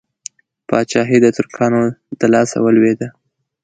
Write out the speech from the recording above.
پاچهي د ترکانو د لاسه ولوېده.